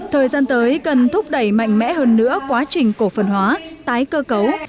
thời gian tới cần thúc đẩy mạnh mẽ hơn nữa quá trình cổ phần hóa tái cơ cấu